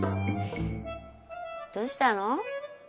どうしたの？